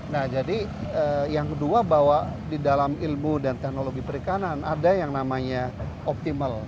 nah jadi yang kedua bahwa di dalam ilmu dan teknologi perikanan ada yang namanya optimal